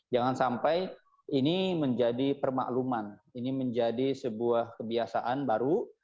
jangan sampai ini menjadi permakluman ini menjadi sebuah kebiasaan baru